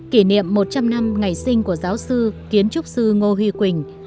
kỷ niệm một trăm linh năm ngày sinh của giáo sư kiến trúc sư ngô huy quỳnh